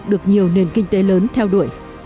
được nhiều nền kinh tế lớn theo đuổi